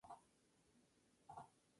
This Endless War